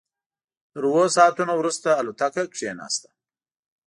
تر اوو ساعتونو وروسته الوتکه کېناسته.